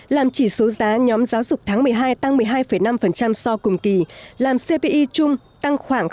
làm chỉ số giá nhóm giáo dục tháng một mươi hai tăng một mươi hai năm so cùng kỳ làm cpi chung tăng khoảng ba mươi